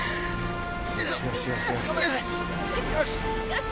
よし！